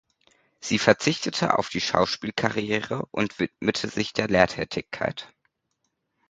Sie verzichtete auf die Schauspielkarriere und widmete sich der Lehrtätigkeit.